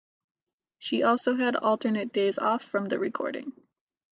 She also had alternate days off from the recording.